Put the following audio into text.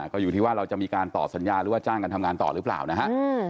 ก็อยู่ที่ว่าเราจะมีการต่อสัญญาหรือว่าจ้างกันทำงานต่อหรือเปล่านะฮะ